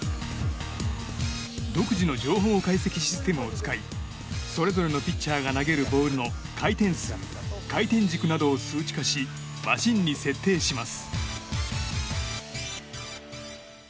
独自の情報解析システムを使いそれぞれのピッチャーが投げるボールの回転数回転軸などを数値化しマシンに設定します。